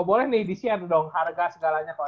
boleh nih di share dong harga segalanya kok